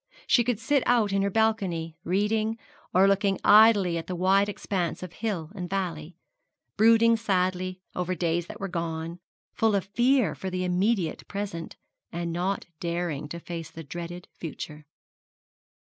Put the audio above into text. She could sit out in her balcony, reading, or looking idly at the wide expanse of hill and valley, brooding sadly over days that were gone, full of fear for the immediate present, and not daring to face the dreaded future.